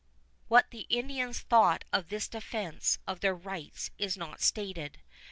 What the Indians thought of this defense of their rights is not stated.